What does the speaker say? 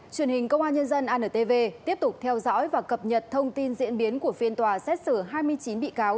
truyền hình công an nhân dân antv tiếp tục theo dõi và cập nhật thông tin diễn biến của phiên tòa xét xử hai mươi chín bị cáo